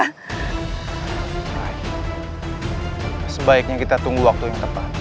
rai sebaiknya kita tunggu waktu yang tepat